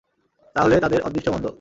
তা হলে তাদের অদৃষ্ট মন্দ।